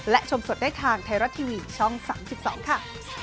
และชมสดได้ทางไทยรัฐทีวีช่อง๓๒ค่ะ